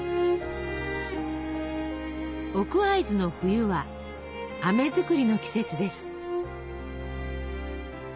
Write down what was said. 奥会津の冬はあめ作りの季節です。